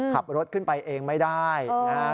ขับรถขึ้นไปเองไม่ได้นะครับ